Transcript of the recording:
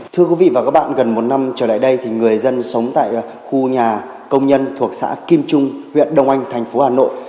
thưa quý vị và các bạn gần một năm trở lại đây thì người dân sống tại khu nhà công nhân thuộc xã kim trung huyện đông anh thành phố hà nội